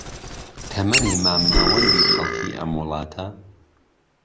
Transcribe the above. تەمەنی مامناوەندی خەڵکی ئەم وڵاتە